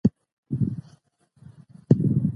ژوندپوهنه موږ ته د بدن جوړښت راښيي.